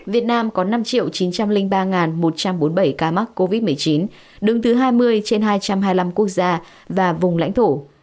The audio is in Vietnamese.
việt nam có năm chín trăm linh ba một trăm bốn mươi bảy ca mắc covid một mươi chín đứng thứ hai mươi trên hai trăm hai mươi năm quốc gia và vùng lãnh thổ